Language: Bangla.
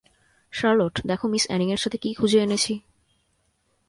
শার্লট, দেখো মিস অ্যানিং এর সাথে কী খুঁজে এনেছি।